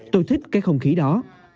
tôi thích cái không khí đó